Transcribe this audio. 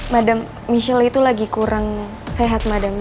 madame michelle itu lagi kurang sehat madame